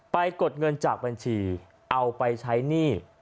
กดเงินจากบัญชีเอาไปใช้หนี้